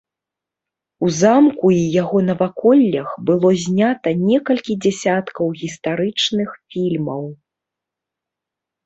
У замку і яго наваколлях было знята некалькі дзясяткаў гістарычных фільмаў.